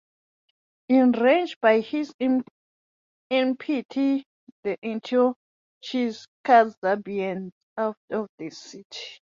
Enraged by his impiety the Antiochenes cast Zabinas out of the city.